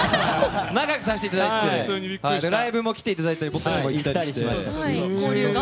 仲良くさせていただいていてライブも来ていただいて僕らも行ったりしました。